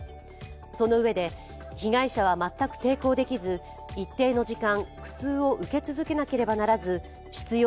そのうえで、被害者は全く抵抗できず、一定の時間、苦痛を受け続けなければならず執よう